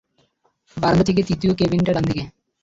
বারান্দা থেকে তৃতীয় কেবিন টা, ডানদিকে।